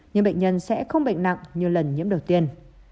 nhưng bệnh nhân sẽ không bệnh nặng như lần nhiễm đầu tiên